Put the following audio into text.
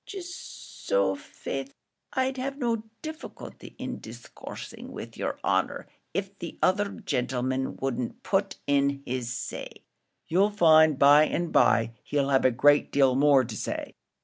"Jist so faix, I'd have no difficulty in discoursing wid yer honour, av the other gentleman wouldn't put in his say." "You'll find by and by he'll have a great deal more to say."